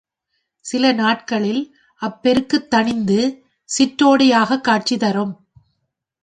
சில நாட்களில் அப் பெருக்குத் தணிந்து, சிற்றோடையாகக் காட்சி தரும்.